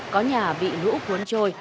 có nhà bị lũ cuốn trôi